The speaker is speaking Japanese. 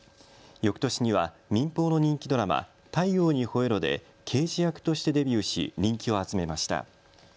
よくとしには民放の人気ドラマ、太陽にほえろ！で刑事役としてデビューし、人気を集めました。